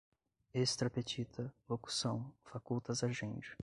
extra petita, locução, facultas agendi